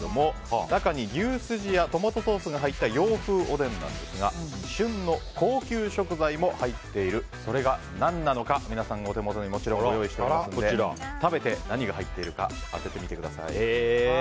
中に牛すじやトマトソースが入った洋風おでんなんですが旬の高級食材も入っているそれが何なのか皆さんのお手元にご用意しておりますので食べて、何が入っているか当ててみてください。